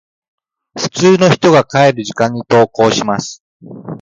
普通の人が帰る時間に登校します。